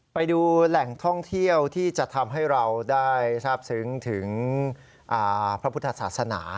ไปดูแหล่งท่องเที่ยวที่จะทำให้เราได้ทราบซึ้งถึงพระพุทธศาสนา